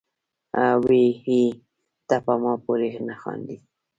وې ئې " تۀ پۀ ما پورې نۀ خاندې،